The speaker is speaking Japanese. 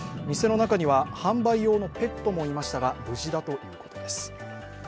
店の中には販売用のペットもいましたが、無事だということです。